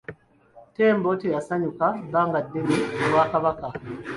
Ttembo teyasanyuka bbanga ddene ku bwakabaka.